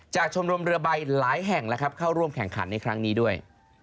ชมรมเรือใบหลายแห่งเข้าร่วมแข่งขันในครั้งนี้ด้วย